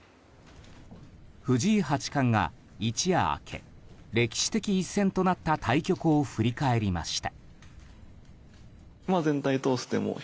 藤井八冠が一夜明け歴史的一戦となった対局を振り返りました。